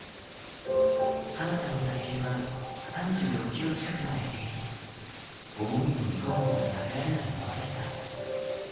華さんの体重は３６キロ近くまで減り、思うようにごはんを食べられないままでした。